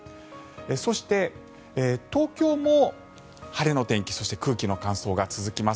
そして東京も晴れの天気そして空気の乾燥が続きます。